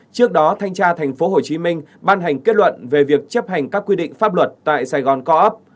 trước đó thanh tra tp hcm ban hành kết luận về việc chấp hành các quy định pháp luật tại sài gòn co op